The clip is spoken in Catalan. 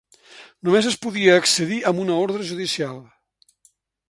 Només es podia accedir amb una ordre judicial.